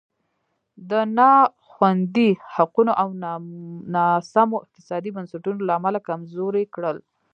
د نا خوندي حقونو او ناسمو اقتصادي بنسټونو له امله کمزوری کړل.